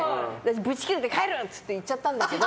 ブチギレて帰るって行っちゃったんだけど。